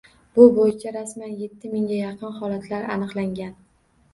Bu boʻyicha rasman yetti mingga yaqin holatlar aniqlangan.